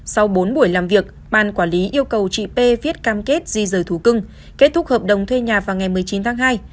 sau bốn buổi làm việc ban quản lý yêu cầu chị p viết cam kết di rời thủ cưng kết thúc hợp đồng thuê nhà vào ngày một mươi chín tháng hai